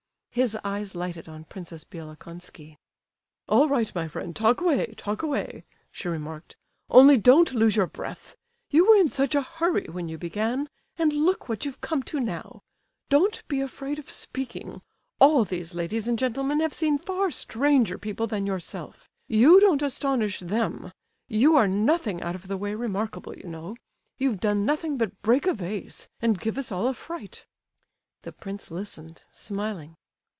His eyes lighted on Princess Bielokonski. "All right, my friend, talk away, talk away!" she remarked. "Only don't lose your breath; you were in such a hurry when you began, and look what you've come to now! Don't be afraid of speaking—all these ladies and gentlemen have seen far stranger people than yourself; you don't astonish them. You are nothing out of the way remarkable, you know. You've done nothing but break a vase, and give us all a fright." The prince listened, smiling.